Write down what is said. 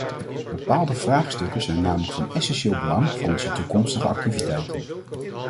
Bepaalde vraagstukken zijn namelijk van essentieel belang voor onze toekomstige activiteiten.